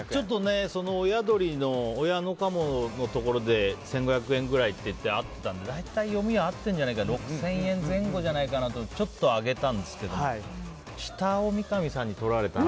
親鳥の親の鴨のところで１５００円くらいってあったんで大体、読みは合ってるんじゃないか６０００円前後じゃないかなとちょっと上げたんですけども下を三上さんにとられたな。